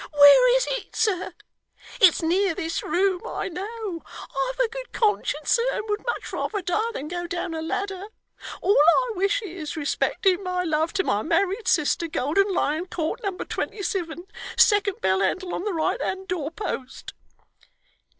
Where is it, sir? It's near this room, I know. I've a good conscience, sir, and would much rather die than go down a ladder. All I wish is, respecting my love to my married sister, Golden Lion Court, number twenty sivin, second bell handle on the right hand door post.